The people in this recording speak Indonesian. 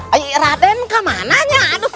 aduh raden ke mananya